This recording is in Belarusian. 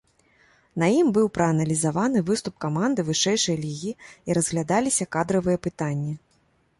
На ім быў прааналізаваны выступ каманды вышэйшай лігі і разглядаліся кадравыя пытанні.